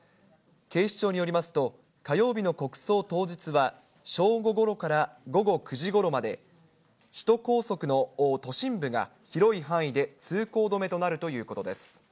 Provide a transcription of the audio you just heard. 警視庁によりますと、火曜日の国葬当日は、正午ごろから午後９時ごろまで、首都高速の都心部が広い範囲で通行止めとなるということです。